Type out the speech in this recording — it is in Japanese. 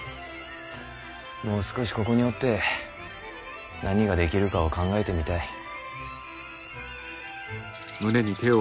もう少しここにおって何ができるかを考えてみたい。